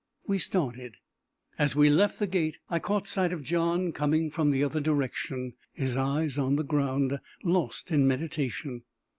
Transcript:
We started. As we left the gate, I caught sight of John coming from the other direction, his eyes on the ground, lost in meditation.